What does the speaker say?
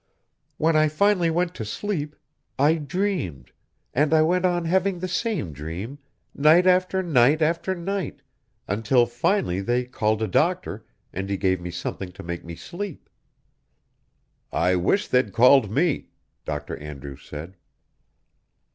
When I finally went to sleep, I dreamed, and I went on having the same dream, night after night after night, until finally they called a doctor and he gave me something to make me sleep." "I wish they'd called me," Dr. Andrews said.